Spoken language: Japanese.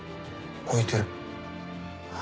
開いてる。